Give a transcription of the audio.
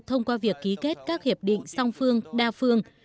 thông qua việc ký kết các hiệp định song phương đa phương